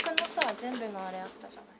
全部のあれあったじゃない。